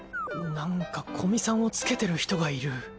なんか古見さんをつけてる人がいる